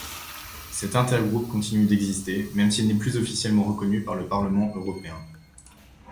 Cet intergroupe continue d'exister même s'il n'est plus officiellement reconnu par le Parlement européen.